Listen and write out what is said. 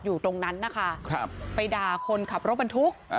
อยู่ตรงนั้นนะคะไปด่าคนขับรถบรรทุก